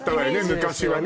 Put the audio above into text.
昔はね